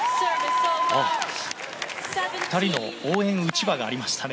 ２人の応援うちわがありましたね。